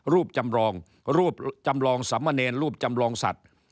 รูปจำลองสำเนญรูปจำลองสัตว์